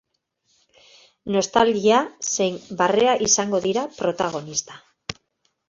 Nostalgia zein barrea izango dira protagonista.